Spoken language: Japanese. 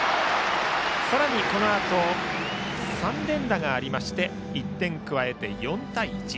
さらに、このあと３連打がありまして１点を加えて４対１。